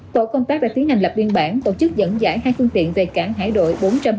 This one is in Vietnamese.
tổ công tác đã tiến hành lập viên bản tổ chức dẫn dãi hai thương tiện về cảng hải đội bốn trăm hai mươi một